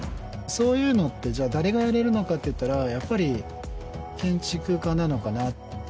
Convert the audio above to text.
そういうのってじゃあ誰がやれるのかっていったらやっぱり建築家なのかな